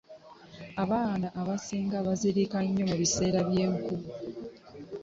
Abaana abasing bazirika nnyo mu biseera by'enkuba.